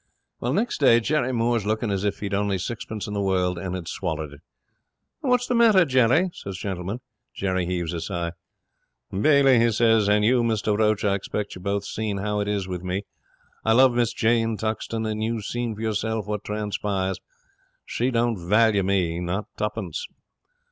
'Next day Jerry Moore's looking as if he'd only sixpence in the world and had swallowed it. "What's the matter, Jerry?" says Gentleman. Jerry heaves a sigh. "Bailey," he says, "and you, Mr Roach, I expect you both seen how it is with me. I love Miss Jane Tuxton, and you seen for yourselves what transpires. She don't value me, not tuppence."